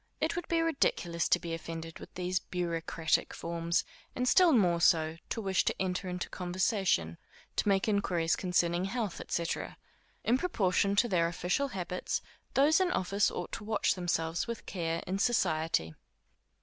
It would be ridiculous to be offended with these bureaucratic forms, and still more so, to wish to enter into conversation, to make inquiries concerning the health, &c. In proportion to their official habits, those in office ought to watch themselves with care in society.